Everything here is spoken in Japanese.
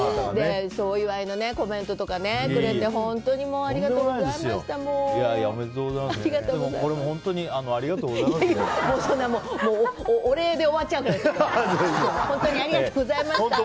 お祝いのコメントとかくれて本当にありがとうございました。